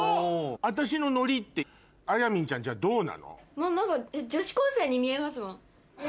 私のノリってあやみんちゃんじゃどうなの？え！